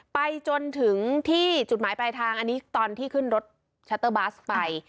ไปจนถึงที่จุดหมายปลายทางอันนี้ตอนที่ขึ้นรถชัตเตอร์บัสไป